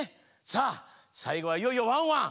さあさいごはいよいよワンワン。